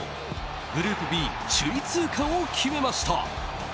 グループＢ、首位通過を決めました。